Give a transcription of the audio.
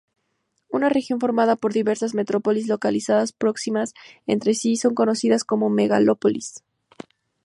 Una región formada por diversas metrópolis localizadas próximas entre sí son conocidas como megalópolis.